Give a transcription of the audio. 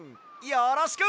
よろしく！